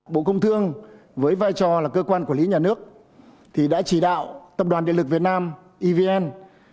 bộ công thương với vai trò là cơ quan quản lý nhà nước thì đã chỉ đạo tập đoàn điện lực việt nam evn